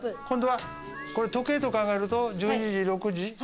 今度はこれ時計と考えると１２時６時。